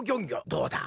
どうだ？